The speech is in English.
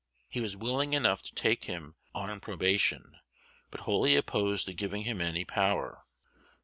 He was willing enough to take him "on probation," but wholly opposed to giving him any power.